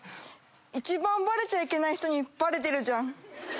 一番バレちゃいけない人にバレてるじゃん。